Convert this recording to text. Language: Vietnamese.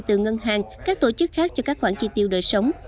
từ ngân hàng các tổ chức khác cho các khoản chi tiêu đời sống